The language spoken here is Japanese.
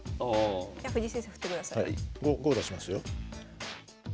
５出しますよ。